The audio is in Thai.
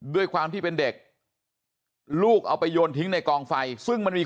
ด้วยความที่เป็นเด็กลูกเอาไปโยนทิ้งในกองไฟซึ่งมันมี